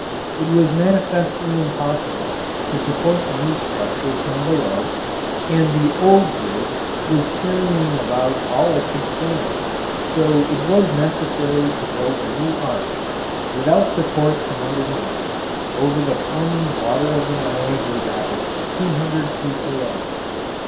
It was manifestly impossible to support the new structure from below, and the old bridge was carrying about all it could stand, so it was necessary to build the new arch, without support from underneath, over the foaming water of the Niagara rapids two hundred feet below.